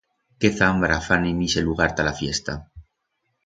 Qué zambra fan en ixe lugar ta la fiesta!